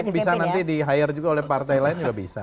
mungkin bisa nanti di hire juga oleh partai lain juga bisa